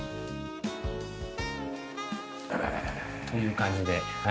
ああ！という感じで。